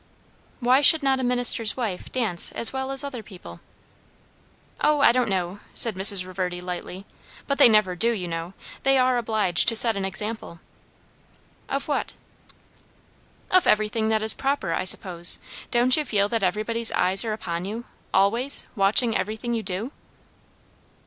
"Why should not a minister's wife dance as well as other people?" "O, I don't know!" said Mrs. Reverdy lightly; "but they never do, you know. They are obliged to set an example." "Of what?" "Of everything that is proper, I suppose. Don't you feel that everybody's eyes are upon you, always, watching everything you do?"